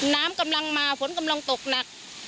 น้ำกำลังมาฝนกำลังตกหนัก